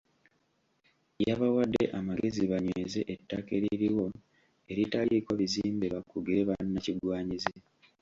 Yabawadde amagezi banyweze ettaka eririwo eritaliiko bizimbe bakugire bannakigwanyizi.